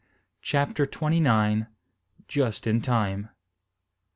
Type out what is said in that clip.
CHAPTER TWENTY NINE. JUST IN TIME.